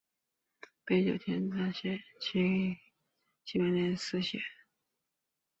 北九州短期大学是一所位于日本福冈县北九州市八幡西区的私立短期大学。